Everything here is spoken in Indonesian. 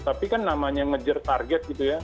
tapi kan namanya ngejar target gitu ya